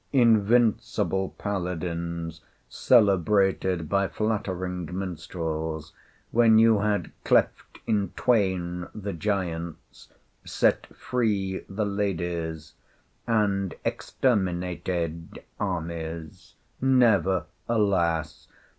Invincible paladins, celebrated by flattering minstrels, when you had cleft in twain the giants, set free the ladies, and exterminated armies, never, alas!